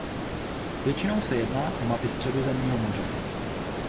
Většinou se jedná o mapy Středozemního moře.